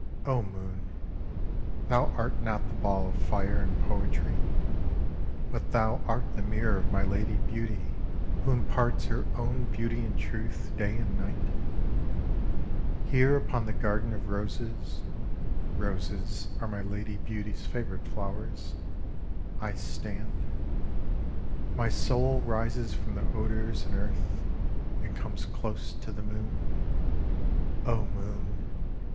O Moon ! thou art not the ball of fire and poetry, but thou art the mirror of my Lady Beauty who Prose Poems 75 imparts her own Beauty and Truth, day and night ! Here upon the garden of roses (roses are my Lady Beauty's favourite flowers) I stand. My soul rises from the odours and earth, and comes close to the moon. O Moon